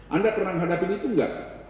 anda pernah menghadapi itu enggak